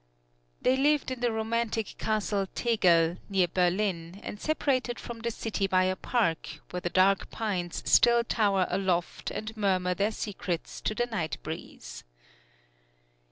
They lived in the romantic Castle Tegel, near Berlin, and separated from the city by a park, where the dark pines still tower aloft and murmur their secrets to the night breeze.